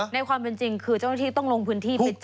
ในความเป็นจริงคือเจ้าหน้าที่ต้องลงพื้นที่ไปเจอ